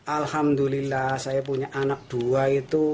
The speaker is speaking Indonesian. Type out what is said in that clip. alhamdulillah saya punya anak dua itu